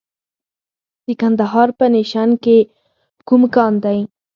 د کندهار په نیش کې کوم کان دی؟